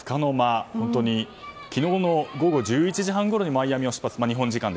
日本時間昨日の午後１１時半ごろにマイアミを出発。